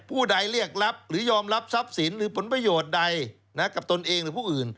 ผู้ใดเรียกรับหรือยอมรับทรัพย์สินหรือผลประโยชน์ใดกับตนเองหรือผู้อื่น